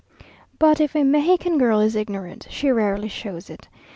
But if a Mexican girl is ignorant, she rarely shows it.